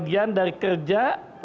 we have partner bananas ya